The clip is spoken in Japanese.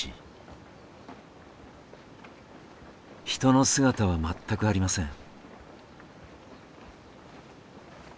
人の姿は全くありません。